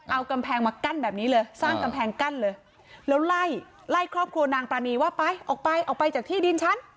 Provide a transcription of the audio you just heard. เอากำแพงมากั้นแบบนี้เลยสร้างกำแพงกั้นเลยแล้วไล่ไล่ครอบครัวนางปรานีว่าไปออกไปออกไปจากที่ดินฉัน